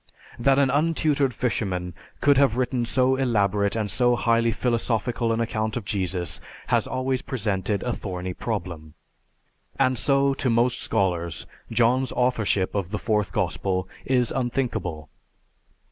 That an untutored fisherman could have written so elaborate and so highly philosophical an account of Jesus has always presented a thorny problem. And so to most scholars John's authorship of the Fourth Gospel is unthinkable."